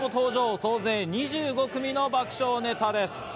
総勢２５組の爆笑ネタです。